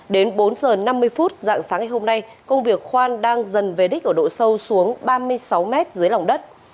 đến bốn h năm mươi phút dạng sáng ngày hôm nay công việc khoan đang dần về đích ở độ sâu xuống ba mươi sáu mét dưới lòng đất